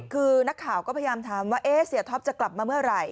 คือนักข่าวก็พยายามถามว่าเสียท็อปจะกลับมาเมื่อไหร่